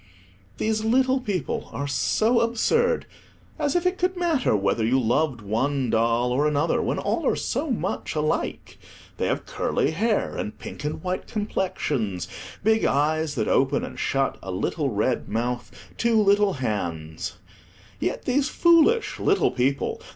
These little people are so absurd: as if it could matter whether you loved one doll or another, when all are so much alike! They have curly hair, and pink and white complexions, big eyes that open and shut, a little red mouth, two little hands. Yet these foolish little people!